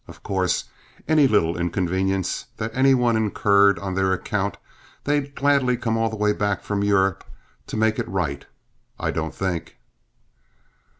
Of course, any little inconvenience that any one incurred on their account, they'd gladly come all the way back from Europe to make it right I don't think."